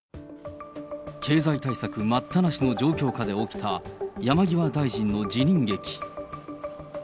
経済対策待ったなしの状況下で起きた山際大臣の辞任劇。